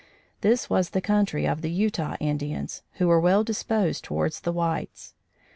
This was the country of the Utah Indians, who were well disposed towards the whites.